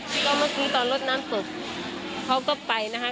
ที่ก็เมื่อกี้ตอนลดน้ำตกเขาก็ไปนะคะ